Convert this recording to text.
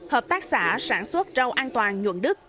hợp tác xã sản xuất rau an toàn nhuận đức